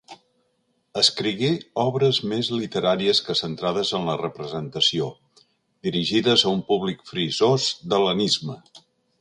Escrigué obres més literàries que centrades en la representació, dirigides a un públic frisós d'hel·lenisme.